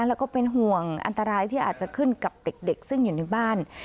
แล้วก็เป็นห่วงอันตรายที่อาจจะขึ้นกับเด็กซึ่งอยู่ในบ้าน